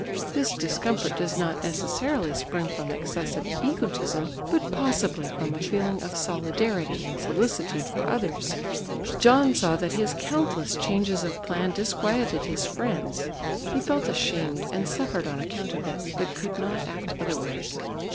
This discomfort does not necessarily spring from excessive egotism, but possibly from a feeling of solidarity and solicitude for others. John saw that his countless changes of plan disquieted his friends; he felt ashamed and suffered on account of it, but could not act otherwise.